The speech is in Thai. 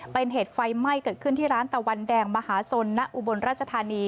เป็นเหตุไฟไหม้เกิดขึ้นที่ร้านตะวันแดงมหาสนณอุบลราชธานี